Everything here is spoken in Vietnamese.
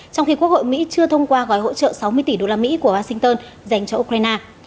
trong khi quốc hội mỹ chưa thông qua gói hỗ trợ sáu mươi tỷ đô la mỹ của washington dành cho ukraine